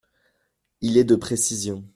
Il est de précision.